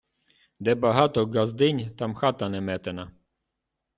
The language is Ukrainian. Де багато ґаздинь, там хата неметена.